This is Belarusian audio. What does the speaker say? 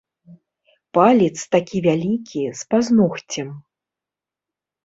Палец такі вялікі, з пазногцем.